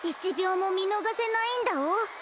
１秒も見逃せないんだお。